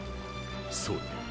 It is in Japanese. そうだ。